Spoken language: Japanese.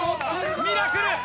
ミラクル！